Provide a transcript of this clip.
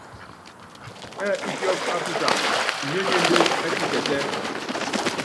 Ɛ́ɛ ípíɔk á putámb, iményémbén ɛ́ kikɛtɛ́.